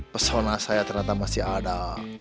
persona saya ternyata masih ada